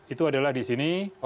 itu adalah di sini